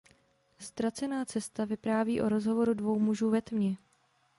Ztracená cesta vypráví o rozhovoru dvou mužů ve tmě.